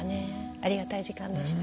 ありがたい時間でした。